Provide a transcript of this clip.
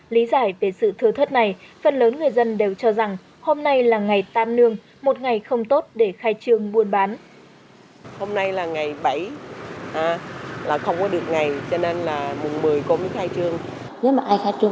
lý giải về sự thừa thất này phần lớn người dân đều cho rằng hôm nay là ngày tam nương một ngày không tốt để khai trương buôn bán